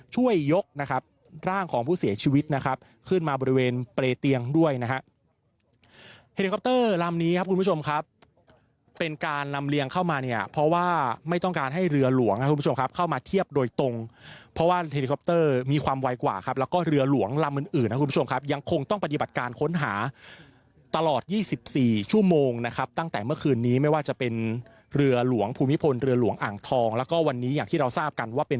ช่วยยกนะครับร่างของผู้เสียชีวิตนะครับขึ้นมาบริเวณเปรตเตียงด้วยนะฮะเฮดคอปเตอร์ลำนี้ครับคุณผู้ชมครับเป็นการลำเลียงเข้ามาเนี่ยเพราะว่าไม่ต้องการให้เรือหลวงนะครับคุณผู้ชมครับเข้ามาเทียบโดยตรงเพราะว่าเฮดคอปเตอร์มีความวัยกว่าครับแล้วก็เรือหลวงลำอื่นอื่นนะคุณผู้ชมครับ